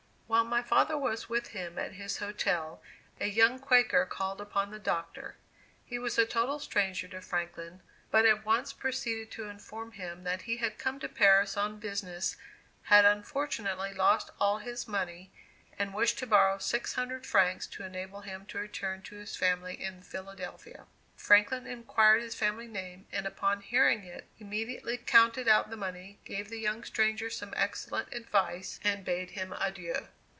"While my father was with him at his hotel, a young Quaker called upon the Doctor. He was a total stranger to Franklin, but at once proceeded to inform him that he had come to Paris on business, had unfortunately lost all his money, and wished to borrow six hundred francs to enable him to return to his family in Philadelphia. Franklin inquired his family name, and upon hearing it immediately counted out the money, gave the young stranger some excellent advice, and bade him adieu.